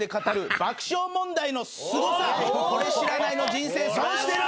「これ知らないの人生損してる！」